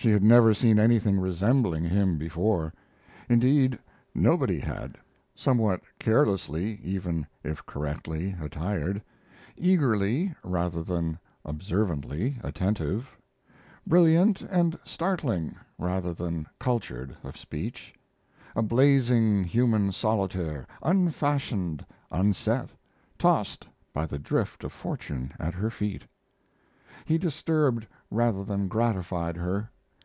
She had never seen anything resembling him before. Indeed, nobody had. Somewhat carelessly, even if correctly, attired; eagerly, rather than observantly, attentive; brilliant and startling, rather than cultured, of speech a blazing human solitaire, unfashioned, unset, tossed by the drift of fortune at her feet. He disturbed rather than gratified her.